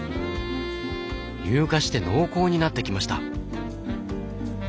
乳化して濃厚になってきました。